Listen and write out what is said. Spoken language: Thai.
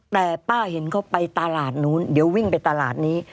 แต่ป้าเห็นเขาไปตลาดนู้นเดี๋ยววิ่งไปตลาดนี้